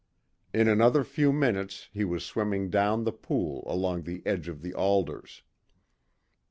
In another few minutes he was swimming down the pool along the edge of the alders.